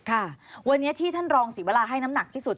ค่ะวันนี้ที่ท่านรองศรีวราให้น้ำหนักที่สุด